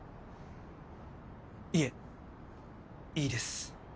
いえいいです。